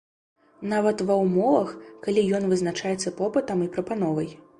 Нават ва ўмовах, калі ён вызначаецца попытам і прапановай.